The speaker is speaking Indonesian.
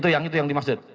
ya itu yang dimaksud